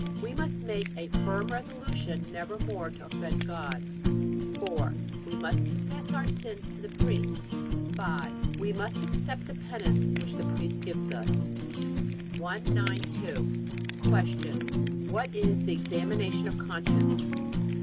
We must make a firm resolution never more to offend God. 4. We must confess our sins to the priest. 5. We must accept the penance which the priest gives us. 192. Q. What is the examination of conscience?